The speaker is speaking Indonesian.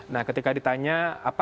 nah ketika ditanya apa